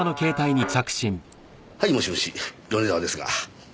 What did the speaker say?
はいもしもし米沢ですが。